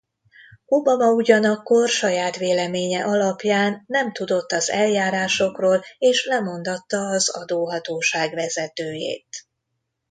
Obama ugyanakkor saját véleménye alapján nem tudott az eljárásokról és lemondatta az adóhatóság vezetőjét.